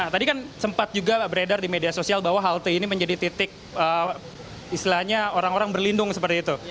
tadi kan sempat juga beredar di media sosial bahwa halte ini menjadi titik istilahnya orang orang berlindung seperti itu